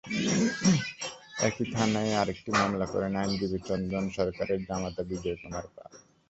একই থানায় আরেকটি মামলা করেন আইনজীবী চন্দন সরকারের জামাতা বিজয় কুমার পাল।